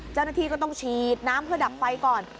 เจ้าหน้าที่ก็ต้องฉีดน้ำเพื่อดับไฟก่อน